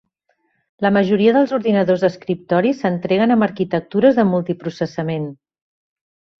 La majoria dels ordinadors d'escriptori s'entreguen amb arquitectures de multiprocessament.